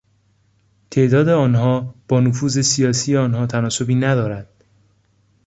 تعداد آنها با نفوذ سیاسی آنها تناسبی ندارد.